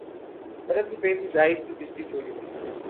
رب روپے سے زائد کی بجلی چوری ہوئی